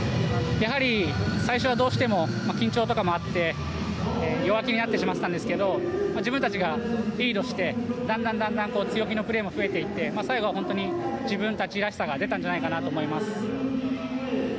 やはり、最初はどうしても緊張とかもあって弱気になってしまってたんですが自分たちがリードしてだんだん強気のプレーも増えていって最後は本当に自分たちらしさが出たんじゃないかなと思います。